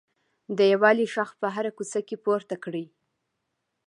د یووالي غږ په هره کوڅه کې پورته کړئ.